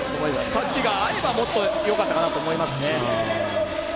タッチが合えばもっとよかったかなと思いますね。